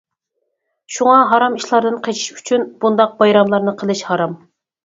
شۇڭا ھارام ئىشلاردىن قېچىش ئۈچۈن بۇنداق بايراملارنى قىلىش ھارام.